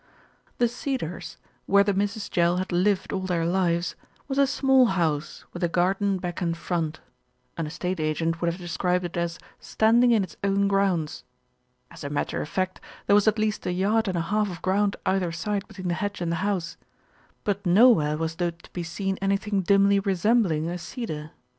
The Cedars, where the Misses Jell had lived all their lives, was a small house with a garden back and front, an estate agent would have described it as "standing in its own grounds." As a matter of fact, there was at least a yard and a half of ground either side between the hedge and the house; but nowhere was there to be seen anything dimly resembling a cedar.